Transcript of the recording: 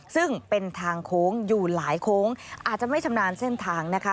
ซึ่งเป็นทางโค้งอยู่หลายโค้งอาจจะไม่ชำนาญเส้นทางนะคะ